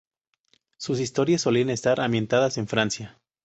Sus historias solían estar ambientadas en Francia.